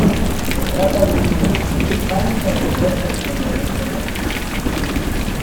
Se trata de uno de los principal aeropuertos en el Oriente Medio.